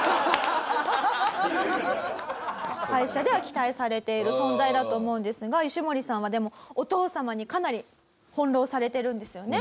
会社では期待されている存在だと思うのですがヨシモリさんはでもお父様にかなり翻弄されてるんですよね？